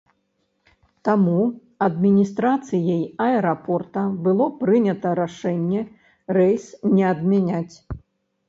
Таму адміністрацыяй аэрапорта было прынята рашэнне рэйс не адмяняць.